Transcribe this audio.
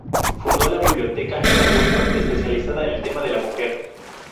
Fundó la Biblioteca Emma Goldman, especializada en el tema de la mujer.